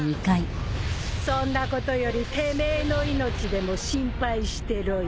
そんなことよりてめえの命でも心配してろよ。